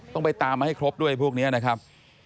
ต้องไปตามมาให้ครบด้วยพวกนี้นะครับ